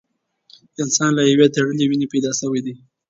انسان له یوې تړلې وینې پیدا شوی دی.